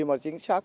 mà chính xác